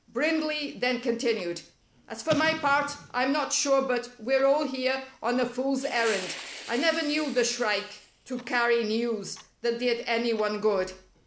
Brindley then continued: "As for my part, I'm not sure but we're all here on a fool's errand. I never knew the Shrike to carry news that did any one good.